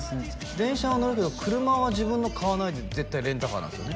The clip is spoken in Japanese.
電車は乗るけど車は自分の買わないで絶対レンタカーなんですよね？